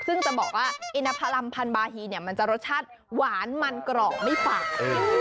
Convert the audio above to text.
ซึ่งจะบอกว่าอินทพรัมพันบาฮีเนี่ยมันจะรสชาติหวานมันกรอบไม่ฝาก